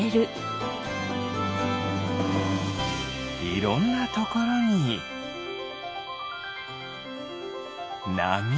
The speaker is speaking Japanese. いろんなところになみ。